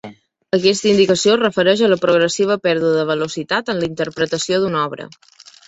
Aquesta indicació es refereix a la progressiva pèrdua de velocitat en la interpretació d'una obra.